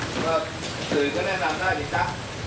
ก็สื่อก็แนะนำได้ดีจ๊ะ